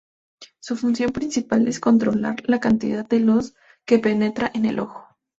Su función principal es controlar la cantidad de luz que penetra en el ojo.